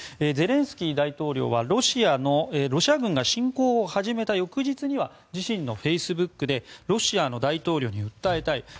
ゼレンスキー大統領はロシア軍が侵攻を始めた翌日には自身のフェイスブックでロシアの大統領に訴えたい。